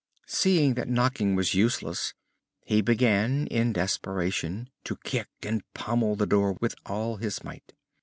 Seeing that knocking was useless, he began in desperation to kick and pommel the door with all his might.